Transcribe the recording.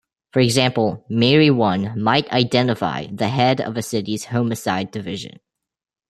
For example, "Mary One" might identify the head of a city's homicide division.